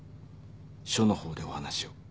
署の方でお話を。